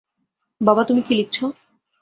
বাবা, তুমি কি লিখছ?